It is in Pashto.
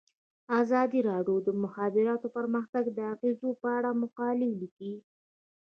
ازادي راډیو د د مخابراتو پرمختګ د اغیزو په اړه مقالو لیکلي.